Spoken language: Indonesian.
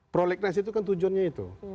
prolegnas itu kan tujuannya itu